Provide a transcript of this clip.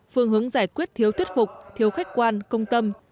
phương hướng giải quyết thiếu thuyết phục thiếu khách quan công tâm